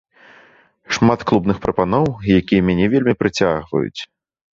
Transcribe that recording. Шмат клубных прапаноў, якія мяне вельмі прыцягваюць.